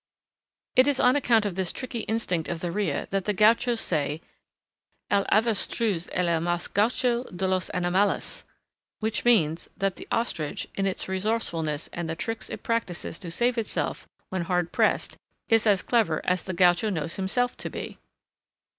It is on account of this tricky instinct of the rhea that the gauchos say, "El avestruz es el mas gaucho de los animales," which means that the ostrich, in its resourcefulness and the tricks it practises to save itself when hard pressed, is as clever as the gaucho knows himself to be.